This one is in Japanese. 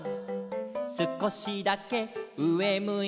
「すこしだけうえむいて」